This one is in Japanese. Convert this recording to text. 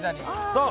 そう。